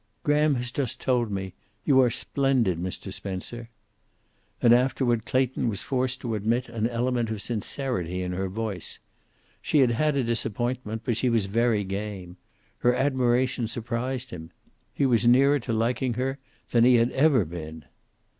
"Graham has just told me. You are splendid, Mr. Spencer." And afterward Clayton was forced to admit an element of sincerity in her voice. She had had a disappointment, but she was very game. Her admiration surprised him. He was nearer to liking her than he had ever been.